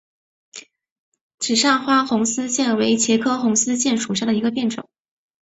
紫单花红丝线为茄科红丝线属下的一个变种。